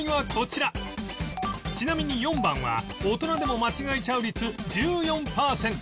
ちなみに４番は大人でも間違えちゃう率１４パーセント